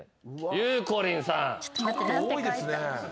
ゆうこりんさんの解答